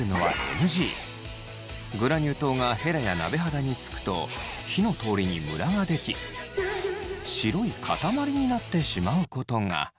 グラニュー糖がヘラや鍋肌につくと火の通りにムラが出来白い塊になってしまうことが。